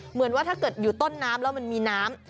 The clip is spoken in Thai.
เหมือนว่าถ้าเกิดอยู่ต้นน้ำแล้วมันมีน้ำ